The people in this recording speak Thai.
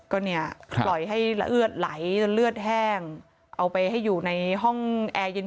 ก็เนี่ยปล่อยให้เลือดไหลจนเลือดแห้งเอาไปให้อยู่ในห้องแอร์เย็น